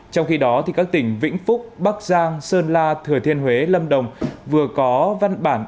trong khi đó các tỉnh vĩnh phúc bắc giang sơn la thừa thiên huế lâm đồng vừa có văn bản